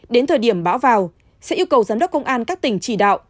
đến thời điểm bão vào sẽ yêu cầu giám đốc công an các tỉnh chỉ đạo